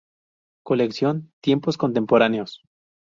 Colección "Tiempos contemporáneos".